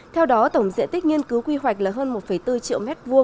theo đó tổng diện tích nghiên cứu quy hoạch là hơn một bốn triệu m hai